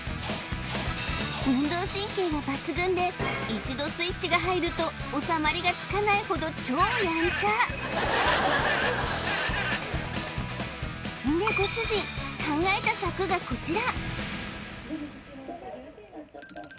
一度スイッチが入ると収まりがつかないほど超やんちゃんでご主人考えた策がこちら